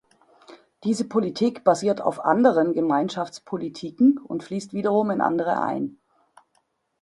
Diese Politik basiert auf anderen Gemeinschaftspolitiken und fließt wiederum in andere ein.